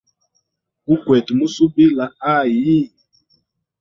Gukwete musubila hayi.